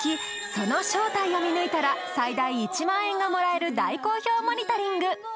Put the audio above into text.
その正体を見抜いたら最大１万円がもらえる大好評モニタリング